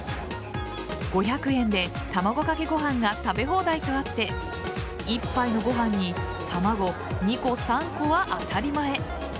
５００円で卵かけご飯が食べ放題とあって一杯のご飯に卵２個３個は当たり前。